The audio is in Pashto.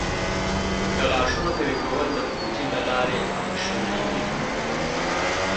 د غاښونو قوي کول د پروټین له لارې هم شونی دی.